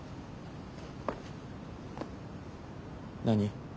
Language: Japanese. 何？